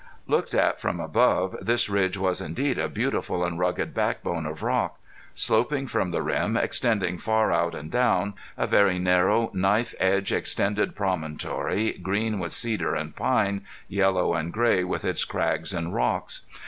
Looked at from above this ridge was indeed a beautiful and rugged backbone of rock, sloping from the rim, extending far out and down a very narrow knife edge extended promontory, green with cedar and pine, yellow and gray with its crags and rocks.